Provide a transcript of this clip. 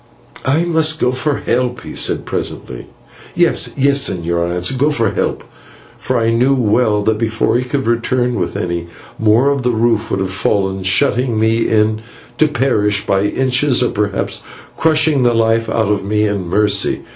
"I must go for help," he said, presently. "Yes, yes, señor," I answered, "go for help;" for I knew well that before he could return with any, more of the roof would have fallen, shutting me in to perish by inches, or perhaps crushing the life out of me in mercy.